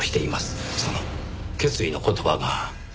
その決意の言葉が。